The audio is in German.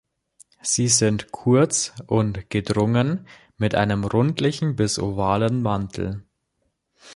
Sie sind kurz und gedrungen mit einem rundlichen bis ovalen Mantel.